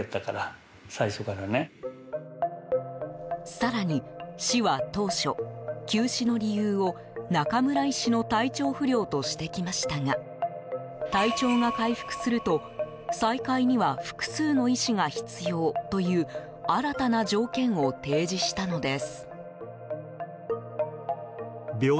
更に、市は当初休止の理由を中村医師の体調不良としてきましたが体調が回復すると再開には複数の医師が必要という新たな条件を提示したのです。